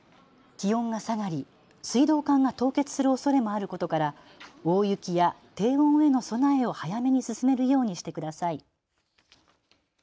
気温が下がり水道管が凍結するおそれもあることから大雪や低温への備えを早めに進めるようにしてください。